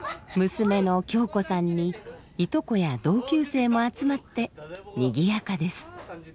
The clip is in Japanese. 娘の京子さんにいとこや同級生も集まってにぎやかです。